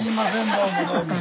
どうもどうも。